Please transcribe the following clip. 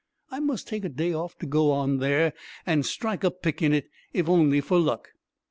I must take a day off to go on there and strike a pick in it, if only for luck."